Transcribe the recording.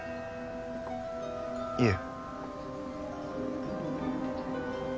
いえ。